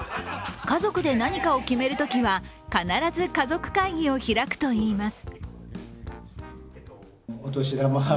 家族で何かを決めるときは必ず家族会議を開くといいます。